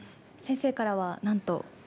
先生からは何と。